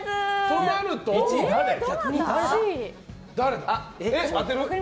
となると誰だ？